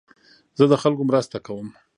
زه د خلکو مرسته کوم.